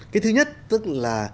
cái thứ nhất tức là